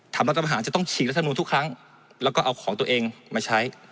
ทำรับทธิบหาจะต้องฉีดก็ต้องทุกครั้งแล้วก็เอาของตัวเองมาใช้